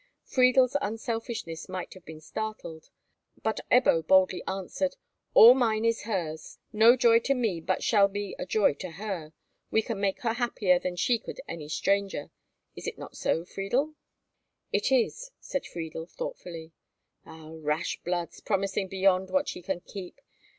Friedel's unselfishness might have been startled, but Ebbo boldly answered, "All mine is hers. No joy to me but shall be a joy to her. We can make her happier than could any stranger. Is it not so, Friedel?" "It is," said Friedel, thoughtfully. "Ah, rash bloods, promising beyond what ye can keep.